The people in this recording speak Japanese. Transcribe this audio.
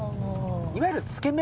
いわゆる。